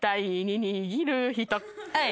はい。